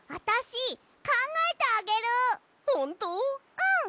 うん！